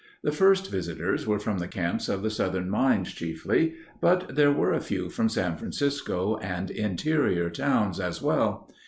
The first visitors were from the camps of the Southern Mines, chiefly, but there were a few from San Francisco and interior towns, as well.